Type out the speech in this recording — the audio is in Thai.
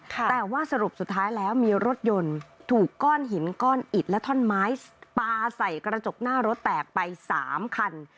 แต่ว่าสรุปสุดท้ายแล้วมีรถยนต์ถูกก้อนหินก้อนอิดและท่อนไม้ปลาใส่กระจกหน้ารถแตกไป๓คัน